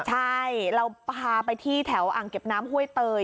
ใช่เราพาไปที่แถวอ่างเก็บน้ำห้วยเตย